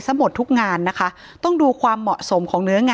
ถ้าใครอยากรู้ว่าลุงพลมีโปรแกรมทำอะไรที่ไหนยังไง